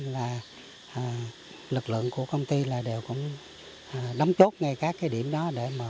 là lực lượng của công ty là đều cũng đóng chốt ngay các cái điểm đó